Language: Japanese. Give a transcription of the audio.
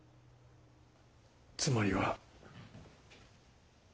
つまりは。